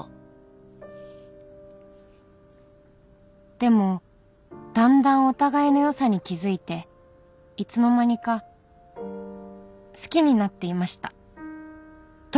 「でもだんだんお互いの良さに気づいていつの間にか好きになっていました」